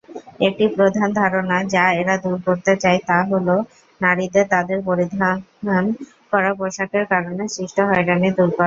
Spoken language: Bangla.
একটি প্রধান ধারণা যা এরা দূর করতে চায় তা হ'ল নারীদের তাদের পরিধান করা পোশাকের কারণে সৃষ্ট হয়রানি দূর করা।